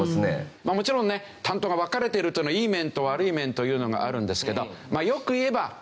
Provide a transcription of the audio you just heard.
まあもちろんね担当が分かれてるっていうのはいい面と悪い面というのがあるんですけど。